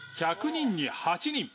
「１００人に８人」